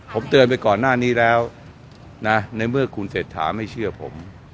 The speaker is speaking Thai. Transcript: ผมเตือนไปก่อนหน้านี้แล้วนะในเมื่อคุณเศรษฐาไม่เชื่อผม